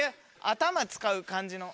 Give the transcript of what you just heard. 頭使う感じの。